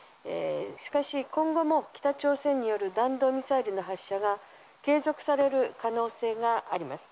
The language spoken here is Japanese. しかし、今後も北朝鮮による弾道ミサイルの発射が継続される可能性があります。